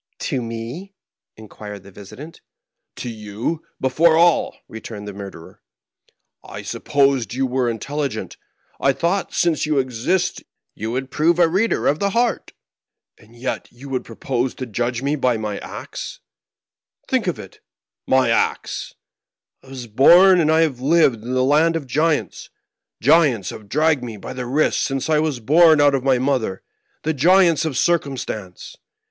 "To me?" inquired the visitant. "To you before aU," returned the murderer. "I supposed you were intelligent. I thought — since you exist — ^you would prove a reader of the heart. And yet you would propose to judge me by my acts. Think of it ; my acts ! I was bom and I have lived in a land of giants ; giants have dragged me by the wrists since I was born out of my mother — the giants of circumstance.